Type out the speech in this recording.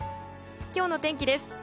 今日の天気です。